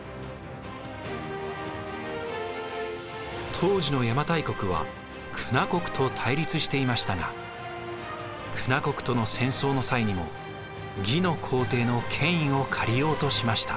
当時の邪馬台国は狗奴国と対立していましたが狗奴国との戦争の際にも魏の皇帝の権威を借りようとしました。